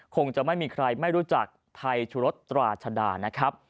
คงจะไม่มีใครไม่รู้จักไทยชุรภตราชดา